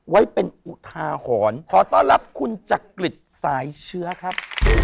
ไว้เป็นอุทาหรณ์ขอต้อนรับคุณจักริจสายเชื้อครับ